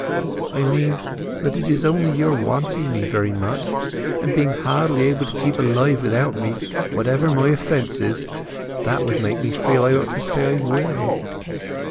"I mean, that it is only your wanting me very much, and being hardly able to keep alive without me, whatever my offences, that would make me feel I ought to say I will."